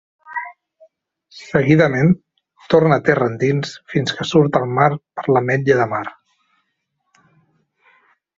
Seguidament, torna terra endins fins que surt al mar per l'Ametlla de Mar.